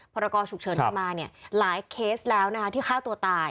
พรากอฉุกเฉินมามาหลายเคสแล้วที่ฆ่าตัวตาย